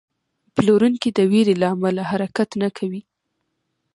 پلورونکی د ویرې له امله حرکت نه کوي.